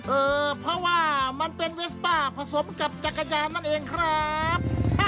เออเพราะว่ามันเป็นเวสป้าผสมกับจักรยานนั่นเองครับ